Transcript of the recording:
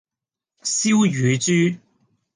燒乳豬